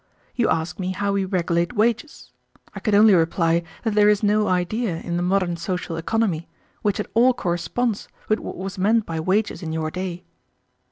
You ask me how we regulate wages; I can only reply that there is no idea in the modern social economy which at all corresponds with what was meant by wages in your day."